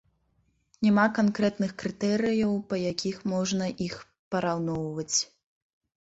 Няма канкрэтных крытэрыяў, па якіх можна іх параўноўваць.